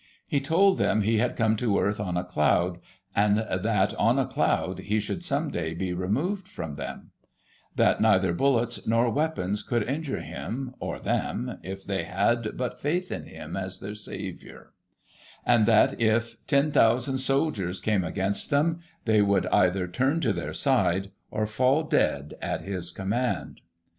He told them he had come to earth on a cloud, and that, on a cloud, he should some day be removed from them ; that neither bullets nor weapons could injure him, or them, if they had but faith in him as their Saviour: and that if io, ocx) soldiers came against them, they would either turn to their side, or 4* Digiti ized by Google 52 GOSSIP. [1838 fall dead at his command.